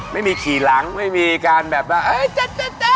ไม่มีขี่หลังไม่มีการแบบว่า